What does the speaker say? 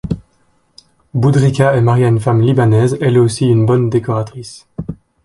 Boudrika est marié à une femme libanaise, elle aussi une bonne décoratrice.